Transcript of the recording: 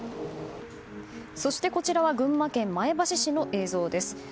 そして、こちらは群馬県前橋市の映像です。